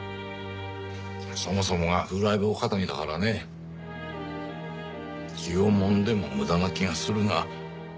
そもそもが風来坊気質だからね気をもんでも無駄な気がするが。